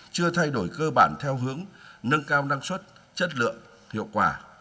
chưa thay đổi cơ bản theo hướng nâng cao năng suất chất lượng hiệu quả